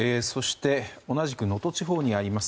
同じく能登地方にあります